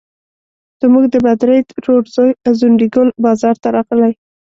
زموږ د بدرۍ ترور زوی ځونډي ګل بازار ته راغلی.